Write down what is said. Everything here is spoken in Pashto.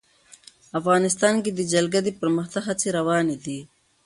افغانستان کې د جلګه د پرمختګ هڅې روانې دي.